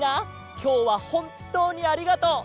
きょうはほんとうにありがとう！